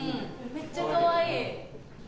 めっちゃかわいい！